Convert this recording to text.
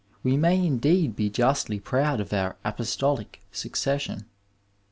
We may indeed be juBtlyiffoadof our apostolic saocession.